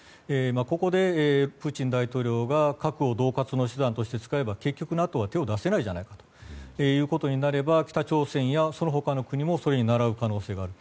ここでプーチン大統領が核を恫喝の手段として使えば結局ＮＡＴＯは手を出せないじゃないかということになれば北朝鮮やその他の国もそれにならう可能性がある。